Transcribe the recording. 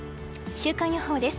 週間予報です。